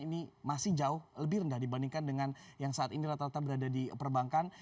ini masih jauh lebih rendah dibandingkan dengan yang saat ini rata rata berada di perbankan